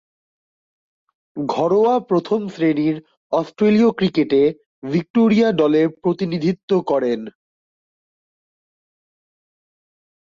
ঘরোয়া প্রথম-শ্রেণীর অস্ট্রেলীয় ক্রিকেটে ভিক্টোরিয়া দলের প্রতিনিধিত্ব করেন।